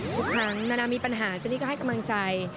ทุกครั้งนานามีปัญหาเจนี่ก็ให้กำลังใจ